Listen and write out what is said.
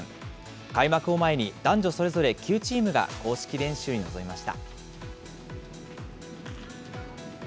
開幕を前に、男女それぞれ９チームが公式練習に臨みました。